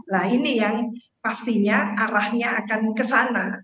nah ini yang pastinya arahnya akan kesana